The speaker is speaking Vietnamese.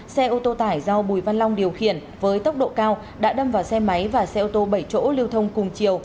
xe ô tô tải do bùi văn long điều khiển với tốc độ cao đã đâm vào xe máy và xe ô tô bảy chỗ lưu thông cùng chiều